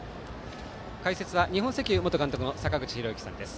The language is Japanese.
解説は日本石油元監督の坂口裕之さんです。